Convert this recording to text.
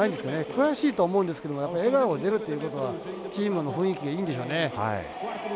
悔しいとは思うんですけど笑顔が出るということはチームの雰囲気がいいんでしょうね。